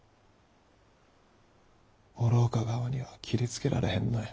お廊下側には斬りつけられへんのや。